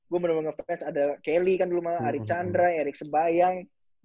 gue bener bener ngefans ada kelly kan dulu mah ari chandra erik sembayang